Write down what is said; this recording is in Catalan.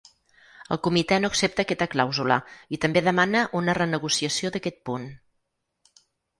El comitè no accepta aquesta clàusula i també demana una renegociació d’aquest punt.